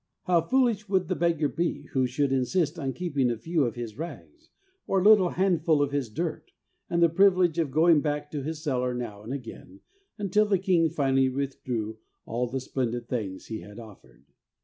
How foolish would the beggar be who should insist on keeping a few of his rags, a little handful of his dirt, and the privilege of going back to his cellar now and again, until the king finally withdrew all the splendid things he had offered